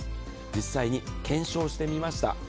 実際に検証してみました。